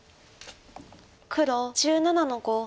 黒１７の五。